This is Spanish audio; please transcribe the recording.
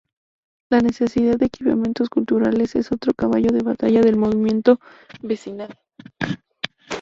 La necesidad de equipamientos culturales es otro caballo de batalla del movimiento vecinal.